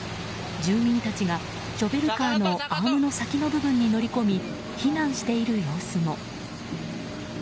住人たちがショベルカーのアームの先の部分に乗り込み避難している様子も。